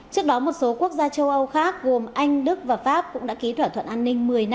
trước đó một số quốc gia châu âu khác gồm anh đức và pháp cũng đã ký thỏa thuận an ninh một mươi năm